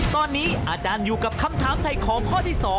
ตอนนี้อาจารย์อยู่กับคำถามไทยของข้อที่๒